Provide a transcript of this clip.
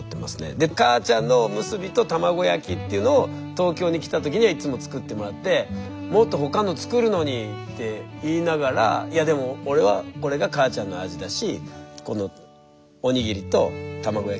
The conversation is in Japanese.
で母ちゃんのおむすびと卵焼きっていうのを東京に来た時にはいつも作ってもらって「もっと他の作るのに」って言いながらいやでも俺はこれが母ちゃんの味だしこのお握りと卵焼きとおみそ汁